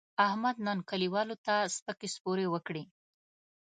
احمد نن کلیوالو ته سپکې سپورې وکړې.